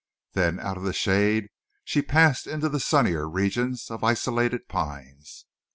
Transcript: Then out of the shade she passed into the sunnier regions of isolated pines.